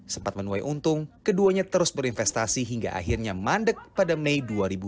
sempat menuai untung keduanya terus berinvestasi hingga akhirnya mandek pada mei dua ribu dua puluh